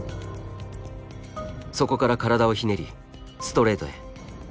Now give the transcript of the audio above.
そこから体をひねりストレートへ。